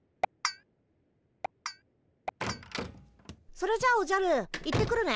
それじゃおじゃる行ってくるね。